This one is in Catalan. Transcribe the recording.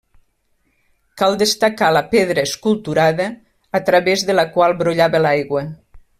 Cal destacar la pedra esculturada a través de la qual brollava l'aigua.